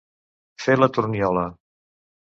Fer la torniola.